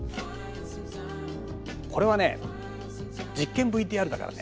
これは実験ＶＴＲだからね